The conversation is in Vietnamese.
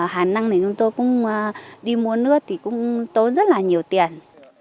hà năng thì chúng tôi cũng đi mua nước thì cũng tốn rất là nhiều tiền